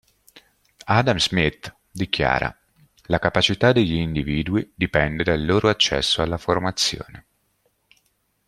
Adam Smith dichiara: “"la capacità degli individui dipende dal loro accesso alla formazione"„..